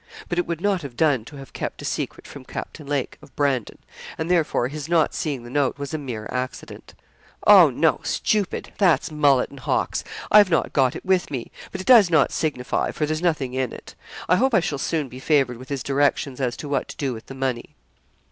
But it would not have done to have kept a secret from Captain Lake, of Brandon; and therefore his not seeing the note was a mere accident. 'Oh! no stupid! that's Mullett and Hock's. I have not got it with me; but it does not signify, for there's nothing in it. I hope I shall soon be favoured with his directions as to what to do with the money.'